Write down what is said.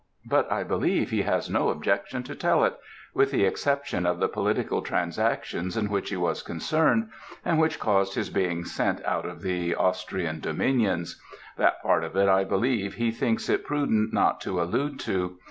But I believe he has no objection to tell it with the exception of the political transactions in which he was concerned, and which caused his being sent out of the Austrian dominions; that part of it I believe he thinks it prudent not to allude to.